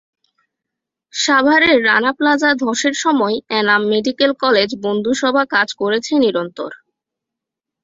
সাভারের রানা প্লাজা ধসের সময় এনাম মেডিকেল কলেজ বন্ধুসভা কাজ করেছে নিরন্তর।